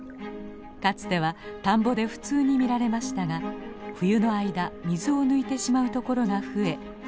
かつては田んぼで普通に見られましたが冬の間水を抜いてしまうところが増え数が減っています。